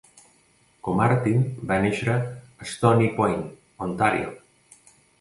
Comartin va néixer a Stoney Point, Ontario.